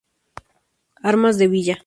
Armas de Villa.